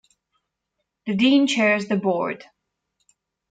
The Dean chairs the Board.